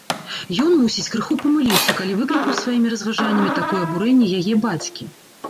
Ён, мусіць, крыху памыліўся, калі выклікаў сваімі разважаннямі такое абурэнне яе бацькі.